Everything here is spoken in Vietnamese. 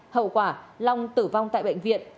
hậu quả long tử vong tại bệnh viện